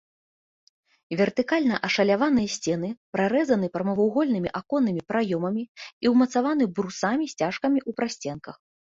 Вертыкальна ашаляваныя сцены прарэзаны прамавугольнымі аконнымі праёмамі і ўмацаваны брусамі-сцяжкамі ў прасценках.